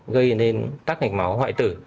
gây nên tắt mạch máu hoại tử